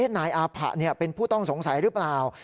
นายอาผะเป็นผู้ต้องสงสัยหรือเปล่า